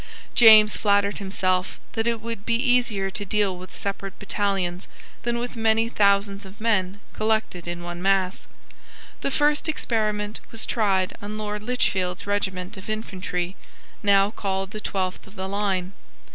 James flattered himself that it would be easier to deal with separate battalions than with many thousands of men collected in one mass. The first experiment was tried on Lord Lichfield's regiment of infantry, now called the Twelfth of the Line.